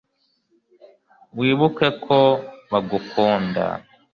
wibuke ko bagukunda